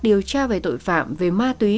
điều tra về tội phạm về ma túy